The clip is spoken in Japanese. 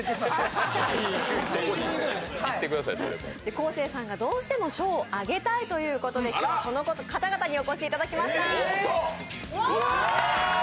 昴生さんにどうしても賞をあげたいということで、今日はこの方々にお越しいただきました。